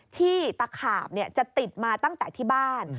ที่ตะขาบจะติดมาตั้งแต่ที่บ้าน